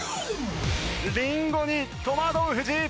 リンゴに戸惑う藤井。